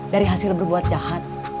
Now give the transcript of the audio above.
dari hasil berbuat jahat